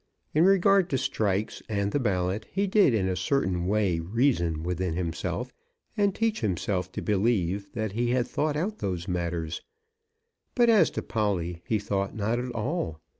In regard to strikes and the ballot he did in a certain way reason within himself and teach himself to believe that he had thought out those matters; but as to Polly he thought not at all.